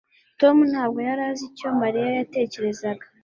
Tom ntabwo yari azi icyo Mariya yatekerezaga